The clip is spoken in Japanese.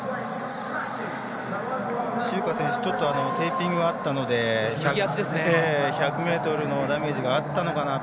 周霞選手、テーピングがあったので１００ｍのダメージがあったのかなと。